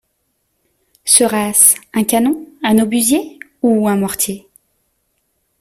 Sera-ce un canon, un obusier ou un mortier?